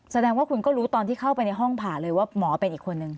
แสดงว่าคุณก็รู้ตอนที่เข้าไปในห้องผ่าเลยว่าหมอเป็นอีกคนนึง